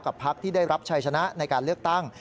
พักที่ได้รับชัยชนะในการเลือกตั้ง